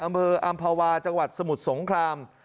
อำเภออำภาวาจังหวัดสมุทรสงคราม